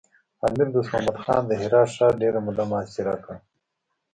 امیر دوست محمد خان د هرات ښار ډېره موده محاصره کړ.